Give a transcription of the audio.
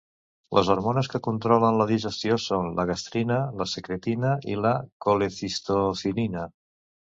Les hormones que controlen la digestió són la gastrina, la secretina i la colecistocinina.